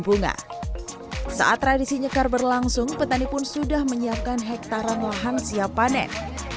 bunga saat tradisi nyekar berlangsung petani pun sudah menyiapkan hektaran lahan siap panen